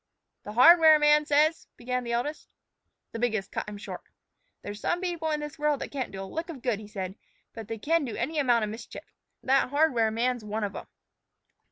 "The hardware man says " began the eldest. The biggest cut him short. "There's some people in this world that can't do a lick of good," he said, "but they can do any amount of mischief. That hardware man's one of 'em."